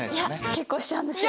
結構しちゃうんですよ。